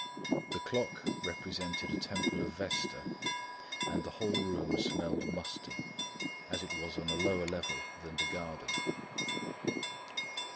The clock represented a temple of Vesta; and the whole room smelled musty, as it was on a lower level than the garden.